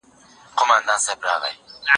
تاسي ولي د خپل دین څخه غافله سواست؟